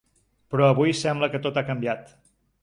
Però avui sembla que tot ha canviat.